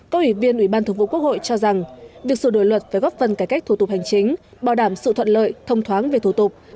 các ủy viên ủy ban thường vụ quốc hội cho rằng việc sửa đổi luật phải góp phần cải cách thủ tục hành chính bảo đảm sự thuận lợi thông thoáng về thủ tục